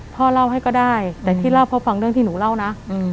พ่อเล่าให้ก็ได้แต่ที่เล่าพ่อฟังเรื่องที่หนูเล่านะ